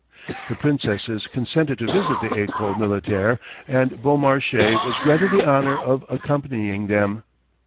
The princesses consented to visit the École Militaire, and Beaumarchais was granted the honor of accompanying them.